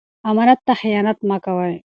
امانت ته خیانت مه کوئ.